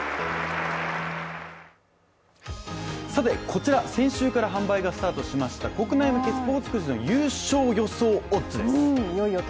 こちら先週から販売がスタートしました国内向けスポ−ツくじの優勝予想オッズです。